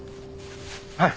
はい。